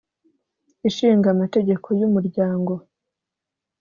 Ishinga Amategeko y Umuryango